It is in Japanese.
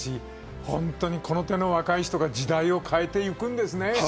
この手の若い人が時代を変えていくんですね。